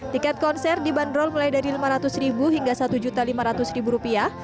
tiket konser dibanderol mulai dari lima ratus hingga satu lima ratus rupiah